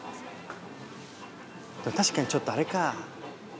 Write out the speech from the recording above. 確かにちょっとあれか。